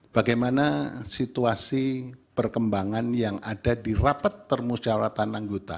bagaimana situasi perkembangan yang ada di rapat permusyawaratan anggota